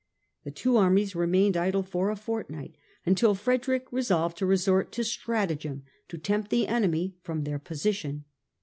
The two armies remained idle for a fortnight, until Frederick resolved to resort to stratagem to tempt the enemy from their position.